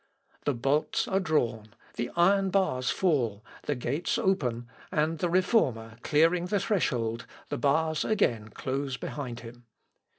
The bolts are drawn, the iron bars fall, the gates open, and the Reformer clearing the threshold, the bars again close behind him.